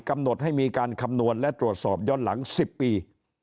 กำหนดให้มีการคำนวณและตรวจสอบย้อนหลัง๑๐ปี